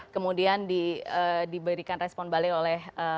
kemudian diberikan respon balik oleh